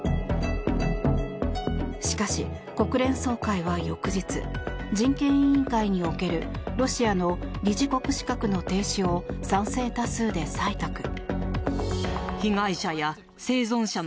しかし、国連総会は翌日人権委員会におけるロシアの理事国資格の停止を賛成多数で採択。